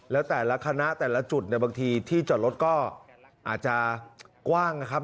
แล้วแต่ละคณะแต่ละจุดเนี่ยบางทีที่จอดรถก็อาจจะกว้างนะครับ